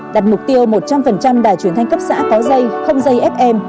đặt mục tiêu một trăm linh đài truyền thanh cấp xã có dây không dây fm